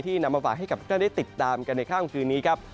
นำมาฝากให้กับทุกท่านได้ติดตามกันในค่ำคืนนี้ครับ